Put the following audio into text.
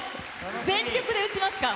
全力で打ちますか？